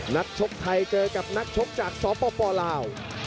นักชกไทยเจอกับนักชกจากสปลาว